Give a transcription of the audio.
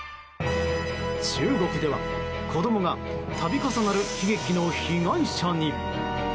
中国では、子供が度重なる悲劇の被害者に。